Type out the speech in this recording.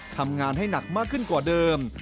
ทำงานให้หนักมากขึ้นกว่าเดิม